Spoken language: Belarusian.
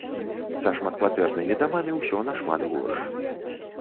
Са шматкватэрнымі дамамі ўсё нашмат горш.